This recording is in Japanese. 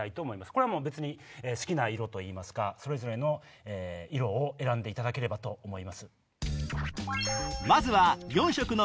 これは好きな色といいますかそれぞれの色を選んでいただければと思います。